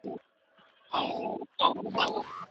بیا به اورېږي پر غزلونو